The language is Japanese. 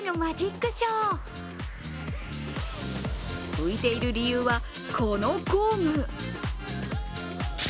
浮いている理由は、この工具。